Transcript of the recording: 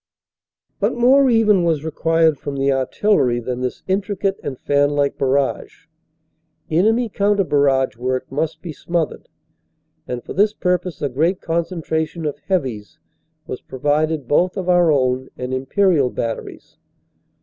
But more even was required from the artillery than this intricate and fanlike barrage. Enemy counter barrage work must be smothered, and for this purpose a great concentration of "heavies" was provided both of our own and Imperial bat teries.